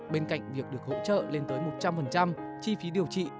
bên cạnh việc được hỗ trợ lên tới một trăm linh chi phí điều trị